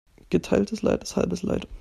Geteiltes Leid ist halbes Leid.